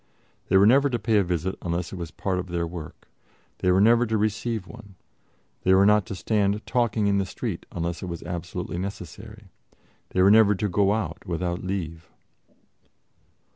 They were never to pay a visit unless it was part of their work; they were never to receive one; they were not to stand talking in the street unless it was absolutely necessary; they were never to go out without leave.